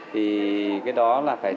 thì cái đó là phải